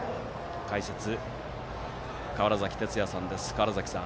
解説は川原崎哲也さんです。